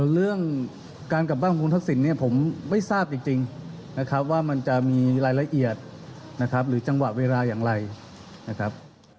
เรื่องการกลับบ้านของคุณทักษิณเนี่ยผมไม่ทราบจริงนะครับว่ามันจะมีรายละเอียดนะครับหรือจังหวะเวลาอย่างไรนะครับ